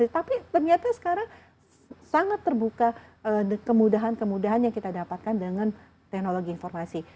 tapi ternyata sekarang sangat terbuka kemudahan kemudahan yang kita dapatkan dengan teknologi informasi